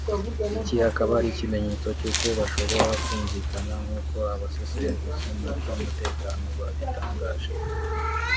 Iki akaba ari ikimenyetso cy’uko bashobora kumvikana nk’uko abasesenguzi mu by’umutekano babitangaje